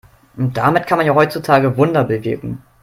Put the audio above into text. Damit kann man ja heutzutage Wunder bewirken.